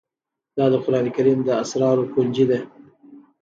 دا د قرآن کريم د اسرارو كونجي ده